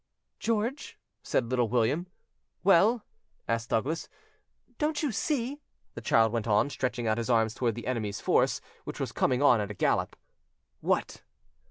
"George," said Little William. "Well?" asked Douglas. "Don't you see?" the child went on, stretching out his arms towards the enemy's force, which was coming on at a gallop. "What?"